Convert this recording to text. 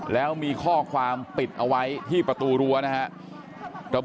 แล้วมีข้อความปิดเอาไว้ที่ประตูรั้วนะครับ